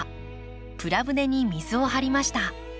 プラ舟に水を張りました。